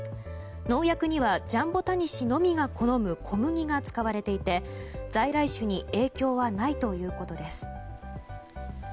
農薬にはジャンボタニシのみが好む小麦が使われていて、在来種に影響はないということです。